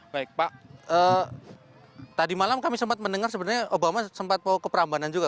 baik pak tadi malam kami sempat mendengar sebenarnya obama sempat mau ke prambanan juga